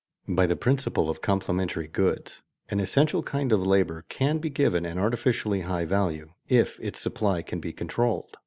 By the principle of complementary goods an essential kind of labor can be given an artificially high value, if its supply can be controlled.